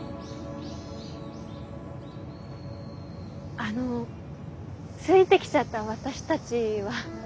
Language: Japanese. あのついてきちゃった私たちは？